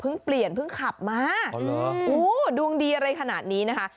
เพิ่งเปลี่ยนเพิ่งขับมาอ๋อเหรออู้ดวงดีอะไรขนาดนี้นะคะ